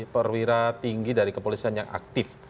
perwira tinggi dari kepolisian yang aktif